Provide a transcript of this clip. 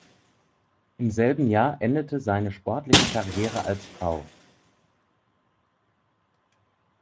Im selben Jahr endete seine sportliche Karriere als Frau.